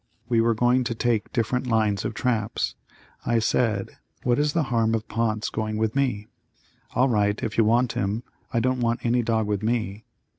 We were going to take different lines of traps. I said, "What is the harm of Pont's going with me?" "All right, if you want him, I don't want any dog with me."